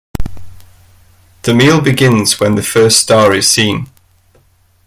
The meal begins when the first star is seen.